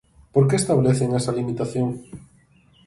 ¿Por que establecen esa limitación?